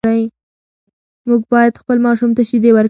مور باید خپل ماشوم ته شیدې ورکړي.